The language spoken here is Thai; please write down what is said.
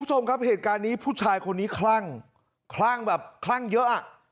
คุณผู้ชมครับเหตุการณ์นี้ผู้ชายคนนี้คลั่งคลั่งแบบคลั่งเยอะอ่ะ